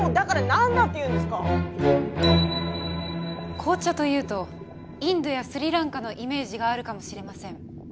紅茶と言うとインドやスリランカのイメージがあるかもしれません。